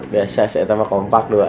biasa si etema kompak doang